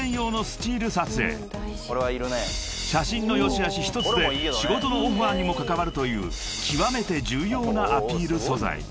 ［写真の良しあし一つで仕事のオファーにも関わるという極めて重要なアピール素材］